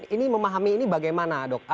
ini memahami ini bagaimana dok